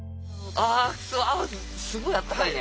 あすごいあったかいね。